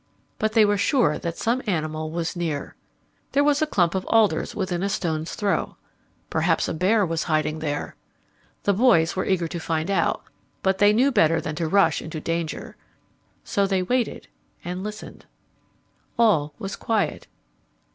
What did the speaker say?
But they were sure that some animal was near. There was a clump of alders within a stone's throw. Perhaps a bear was hiding there. The boys were eager to find out, but they knew better than to rush into danger. So they waited and listened. All was quiet.